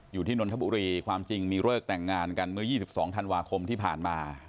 นนทบุรีความจริงมีเลิกแต่งงานกันเมื่อ๒๒ธันวาคมที่ผ่านมา